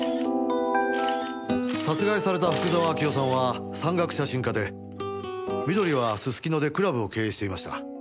殺害された福沢明夫さんは山岳写真家で美登里はすすきのでクラブを経営していました。